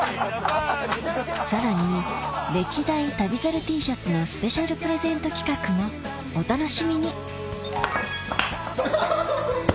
さらに歴代旅猿Ｔシャツのスペシャルプレゼント企画もお楽しみに痛っ！